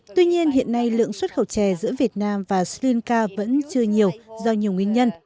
tuy nhiên hiện nay lượng xuất khẩu chè giữa việt nam và sri lanka vẫn chưa nhiều do nhiều nguyên nhân